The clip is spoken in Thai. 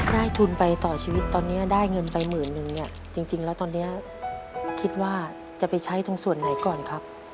ได้ทุนไปต่อชีวิตตอนนี้ได้เงินไปหมื่นนึงเนี่ยจริงแล้วตอนนี้คิดว่าจะไปใช้ตรงส่วนไหนก่อนครับ